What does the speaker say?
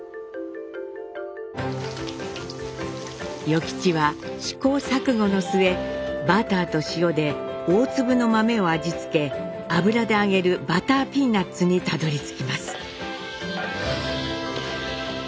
与吉は試行錯誤の末バターと塩で大粒の豆を味付け油で揚げるバターピーナッツにたどりつきます。